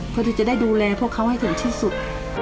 เพื่อที่จะได้ดูแลพวกเขาให้ถึงที่สุด